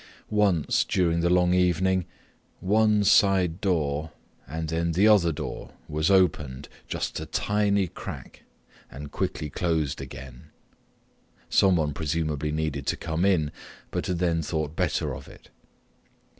Once during the long evening one side door and then the other door was opened just a tiny crack and quickly closed again. Someone presumably needed to come in but had then thought better of it.